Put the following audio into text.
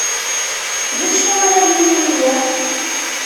D acu ara nini i wiyaḍ